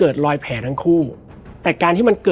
แล้วสักครั้งหนึ่งเขารู้สึกอึดอัดที่หน้าอก